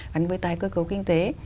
gắn với tái cơ cấu kinh tế